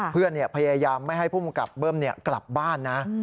เพื่อนพยายามไม่ให้ภูมิกับเบิ้มกลับบ้าน